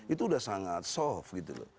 itu sudah sangat soft